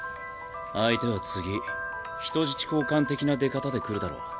相手は次人質交換的な出方でくるだろ。